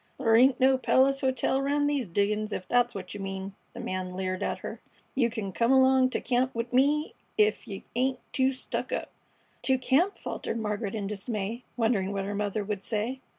"Thur ain't no palace hotel round these diggin's, ef that's what you mean," the man leered at her. "You c'n come along t' camp 'ith me ef you ain't too stuck up." "To camp!" faltered Margaret in dismay, wondering what her mother would say.